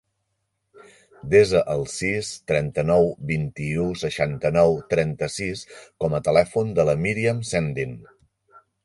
Desa el sis, trenta-nou, vint-i-u, seixanta-nou, trenta-sis com a telèfon de la Míriam Sendin.